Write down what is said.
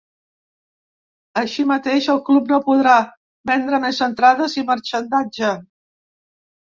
Així mateix, el club no podrà vendre més entrades i marxandatge.